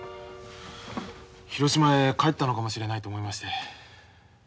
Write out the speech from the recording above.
広島へ帰ったのかもしれないと思いまして。